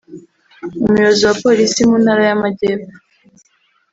umuyobozi wa Polisi mu Ntara y’Amajyepfo